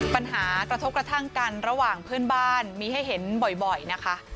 ปัญหากระทบกระทั่งกันระหว่างเพื่อนบ้านมีให้เห็นบ่อยนะคะ